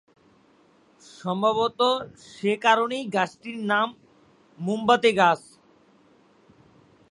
সম্ভবত সে কারণেই গাছটির নাম মোমবাতি গাছ।